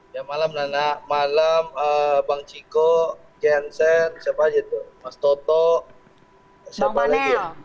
ya malam nana malam bang ciko jansen siapa aja tuh mas toto siapa lagi